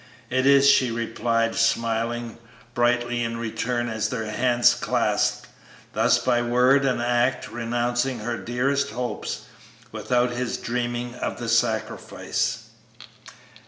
"It is," she replied, smiling brightly in return as their hands clasped, thus by word and act renouncing her dearest hopes without his dreaming of the sacrifice.